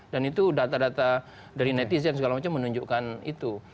dan itu data data dari netizen segala macam menunjukkan itu